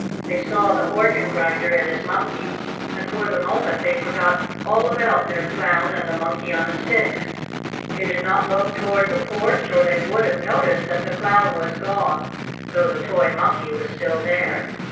They saw the organ grinder and his monkey, and, for the moment, they forgot all about their Clown and the Monkey on a Stick. They did not look toward the porch, or they would have noticed that the Clown was gone, though the toy Monkey was still there.